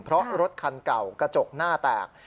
เพราะรถคันเก่ากระจกหน้าแตก